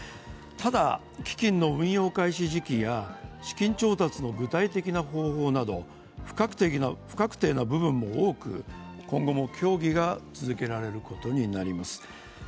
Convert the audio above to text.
ただ基金の運用開始時期や資金調達の具体的な方法など不確定な部分も多く、今後も協議が続けられることになります。